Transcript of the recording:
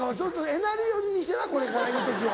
えなり寄りにしてなこれから言う時は。